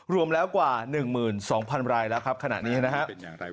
รวมแล้วกว่า๑๒๐๐๐รายแล้วครับขณะนี้นะครับ